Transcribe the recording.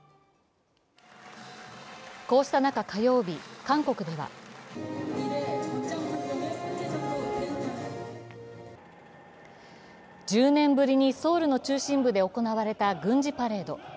こうした中、火曜日、韓国では１０年ぶりにソウルの中心部で行われた軍事パレード。